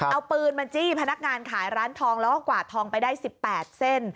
เอาปืนมาจี้พนักงานขายร้านทองแล้วก็กวาดทองไปได้๑๘เส้น